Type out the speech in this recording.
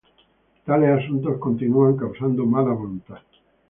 Tales asuntos continúan causando mala voluntad.